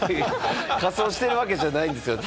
仮装してるわけじゃないんですよ。